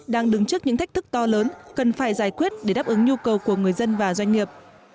đang đứng trước những thách thức to lớn cần phải giải quyết để đáp ứng nhu cầu của người dân và doanh nghiệp